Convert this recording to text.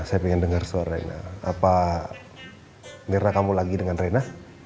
saya pengen denger sorenya apa mirna kamu lagi dengan rina